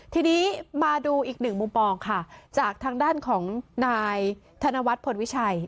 ทีนี้มาดูอีกหนึ่งมุมมองค่ะจากทางด้านของนายธนวัฒนพลวิชัย